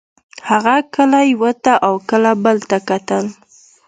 هغه کله یو ته او کله بل ته کتل